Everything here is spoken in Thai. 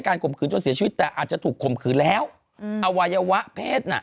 ข่มขืนจนเสียชีวิตแต่อาจจะถูกข่มขืนแล้วอืมอวัยวะเพศน่ะ